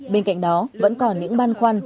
bên cạnh đó vẫn còn những băn khoăn